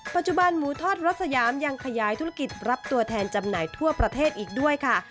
ปัจจุบันหมูทอดรถสยามยังขยายธุรกิจรับตัวแทนจำหน่ายทั่วประเทศอีกด้วยค่ะ